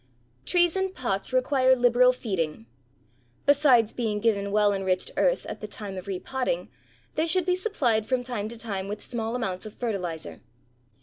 Trees in pots require liberal feeding. Besides being given well enriched earth at the time of repotting, they should be supplied from time to time with small amounts of fertilizer.